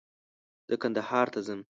زه کندهار ته ځم